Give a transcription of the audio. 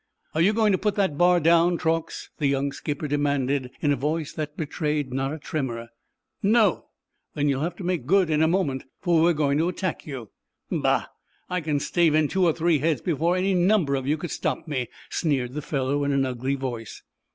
"Are you going to put that bar down, Truax?" the young skipper demanded, in a voice that betrayed not a tremor. "No." "Then you'll have to make good in a moment, for we're going to attack you." "Bah! I can stave in two or three heads before any number of you could stop me," sneered the fellow, in an ugly voice.